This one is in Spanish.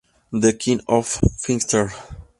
The King Of Fighters